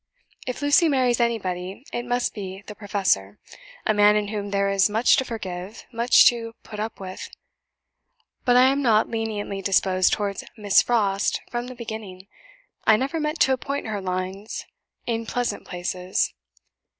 If Lucy marries anybody, it must be the Professor a man in whom there is much to forgive, much to 'put up with.' But I am not leniently disposed towards Miss FROST from the beginning, I never meant to appoint her lines in pleasant places.